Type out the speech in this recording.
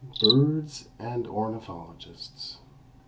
BIRDS AND ORNITHOLOGISTS.